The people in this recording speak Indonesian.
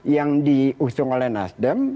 yang diusung oleh nasdem